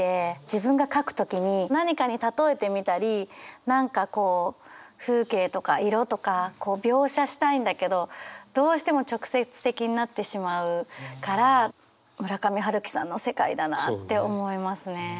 自分が書く時に何かに例えてみたり何かこう風景とか色とか描写したいんだけどどうしても直接的になってしまうから村上春樹さんの世界だなって思いますね。